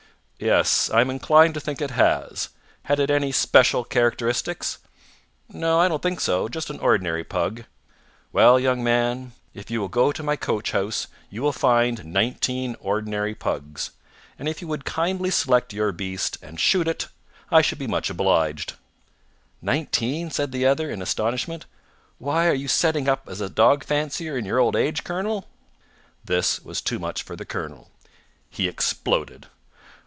"Yes. I am inclined to think it has. Had it any special characteristics?" "No, I don't think so. Just an ordinary pug." "Well, young man, if you will go to my coachhouse, you will find nineteen ordinary pugs; and if you would kindly select your beast, and shoot it, I should be much obliged." "Nineteen?" said the other, in astonishment. "Why, are you setting up as a dog fancier in your old age, colonel?" This was too much for the colonel. He exploded.